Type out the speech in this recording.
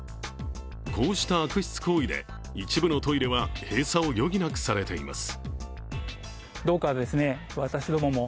こうした悪質行為で一部のトイレは閉鎖を余儀なくされています。